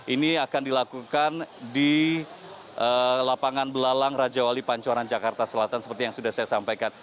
ini akan dilakukan di lapangan belalang raja wali pancoran jakarta selatan seperti yang sudah saya sampaikan